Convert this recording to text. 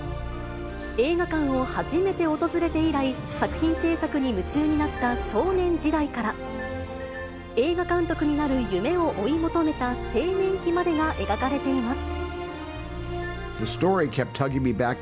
映画館を初めて訪れて以来、作品製作に夢中になった少年時代から、映画監督になる夢を追い求めた青年期までが描かれています。